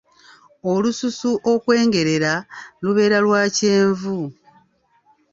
Olususu okwengerera, lubeera lwa kyenvu.